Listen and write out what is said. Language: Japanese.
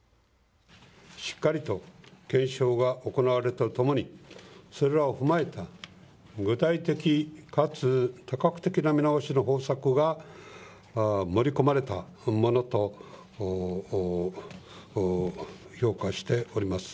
しっかりと検証が行われるとともにそれらを踏まえた具体的かつ見直しの方策が盛り込まれたものと評価しております。